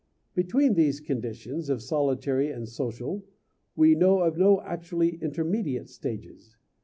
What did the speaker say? Between these conditions of solitary and social we know of no actually intermediate stages.